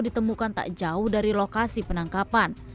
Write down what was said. ditemukan tak jauh dari lokasi penangkapan